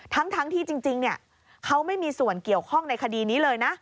ทั้งที่จริงเขาไม่มีส่วนเกี่ยวข้องในคดีนี้เลยนะ